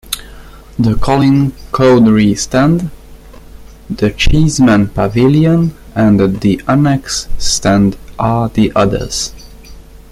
The Colin Cowdrey Stand, the Chiesman Pavilion and the Annexe Stand are the others.